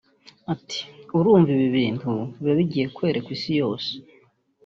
Ati” Urumva ni ibintu biba bigiye kwerekwa isiyose